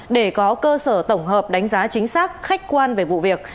để có cơ sở tổng hợp đánh giá chính xác khách quan về vụ việc